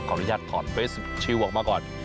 ขออนุญาตถอดเฟสชิลออกมาก่อน